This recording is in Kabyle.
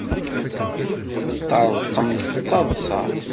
Teṭṭerḍqemt d taḍsa.